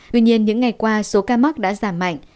tuy nhiên những ngày qua số ca mắc đã giảm mạnh